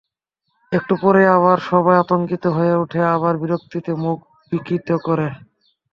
একটু পরেই আবার সবাই আতঙ্কিত হয়ে ওঠে, আবার বিরক্তিতে মুখ বিকৃত করে।